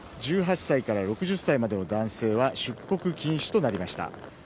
１８歳から６０歳の男性は出国禁止としました。